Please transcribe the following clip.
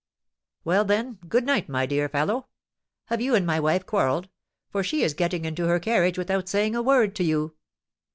"Well, then, good night, my dear fellow. Have you and my wife quarrelled, for she is getting into her carriage without saying a word to you?"